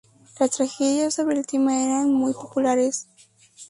Las tragedias sobre el tema eran muy populares.